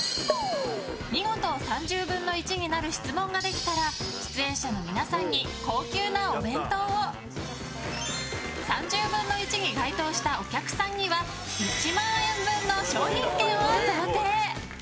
見事、３０分の１になる質問ができたら出演者の皆さんに高級なお弁当を３０分の１に該当したお客さんには１万円分の商品券を贈呈！